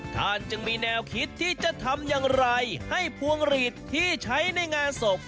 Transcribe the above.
ท่านจึงมีแนวคิดที่จะทำอย่างไรให้พวงหลีดที่ใช้ในงานศพ